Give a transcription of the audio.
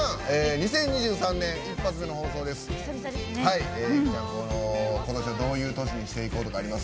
２０２３年一発目の放送です。